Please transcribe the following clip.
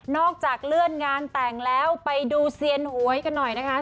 จากเลื่อนงานแต่งแล้วไปดูเซียนหวยกันหน่อยนะคะ